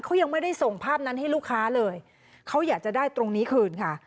เขายังไม่ได้ส่งภาพนั้นให้ลูกค้าเลยเขาอยากจะได้ตรงนี้คืนค่ะ